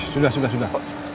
sudah sudah sudah